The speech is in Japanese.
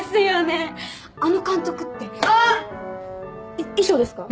いっ衣装ですか？